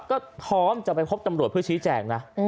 ก็พร้อมจะไปพบตำรวจเพื่อชี้แจงนะ